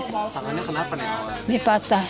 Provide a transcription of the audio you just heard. tangannya kenapa nenek masneh